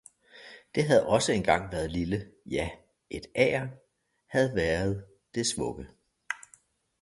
Det havde også engang været lille, ja, et agern havde været dets vugge.